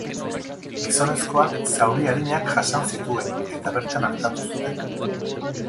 Gizonezkoak zauri arinak jasan zituen, eta bertan artatu zuten.